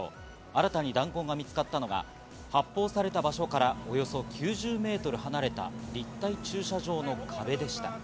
新たに弾痕が見つかったのは、発砲された場所からおよそ９０メートル離れた立体駐車場の壁でした。